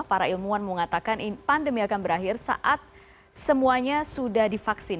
para ilmuwan mengatakan pandemi akan berakhir saat semuanya sudah divaksin